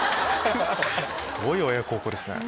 すごい親孝行ですね。